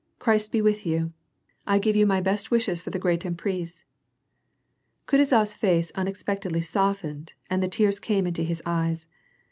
"Christ be with you ! I give you my best wishes for the great emprise." RutuzoFs face unexpectedly softened, and the tears came into his eyes.